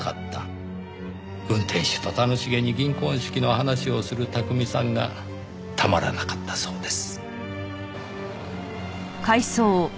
運転手と楽しげに銀婚式の話をする巧さんがたまらなかったそうです。